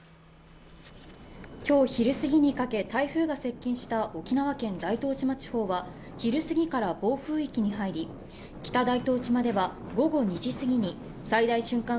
今日昼過ぎにかけ、台風が接近した沖縄県大東島地方は昼過ぎから暴風域に入り、北大東島では午後２時過ぎに最大瞬間